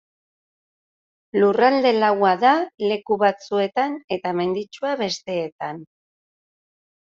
Lurralde laua da leku batzuetan eta menditsua besteetan.